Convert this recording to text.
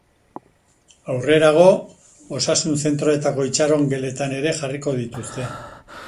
Aurrerago, osasun-zentroetako itxarongeletan ere jarriko dituzte.